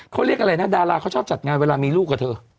เขาเรียกอะไรนะดาราเขาชอบจัดงานเวลามีลูกกับเธอ